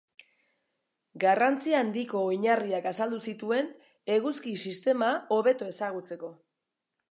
Garrantzi handiko oinarriak azaldu zituen eguzki-sistema hobeto ezagutzeko.